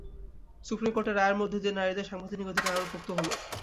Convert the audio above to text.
Supreme কোর্টের রায়ের মধ্য দিয়ে নারীদের সাংবিধানিক অধিকার আরও পোক্ত হলো।